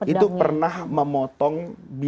itu pernah memotong